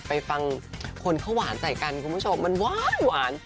ไปฟังคนเขาหวานใส่กันคุณผู้ชมมันว้าวหวาน